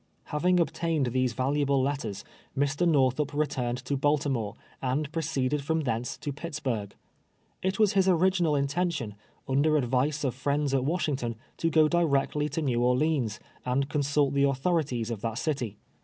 Having obtained these valuable letters, Mr. I^orthup returned to Baltimore, and proceeded from thence to Pittsburgh. It was his original intention, under advice of friends at AVashington, to go directly to Xew Orleans, aiul consult the authorities of that city.